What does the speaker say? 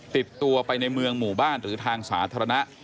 ติดตัวไปในเมืองหมู่บ้านหรือทางสาธารณะ